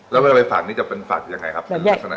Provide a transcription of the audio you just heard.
แล้วไปฝากนี่จะเป็นฝากยังไงครับ